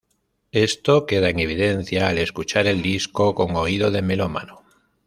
Esto queda en evidencia al escuchar el disco con oído de melómano.